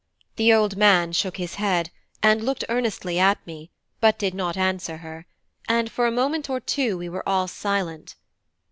The old man shook his head, and looked earnestly at me, but did not answer her, and for a moment or two we were all silent.